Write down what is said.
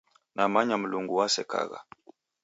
Namanya Mlungu wasekagha.